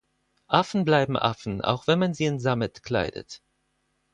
Affen bleiben Affen, auch wenn man sie in Sammet kleidet.